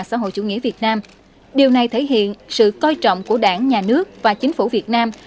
xã hội chủ nghĩa việt nam điều này thể hiện sự coi trọng của đảng nhà nước và chính phủ việt nam